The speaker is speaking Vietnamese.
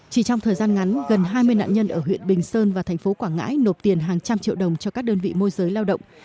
chỉ trong thời gian ngắn gần hai mươi nạn nhân ở huyện bình sơn và thành phố quảng ngãi nộp tiền hàng trăm triệu đồng cho các đơn vị môi giới lao động